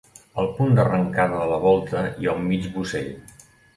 Al punt d'arrencada de la volta hi ha un mig bossell.